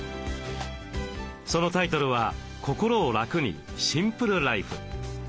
そのタイトルは「心を楽にシンプルライフ」。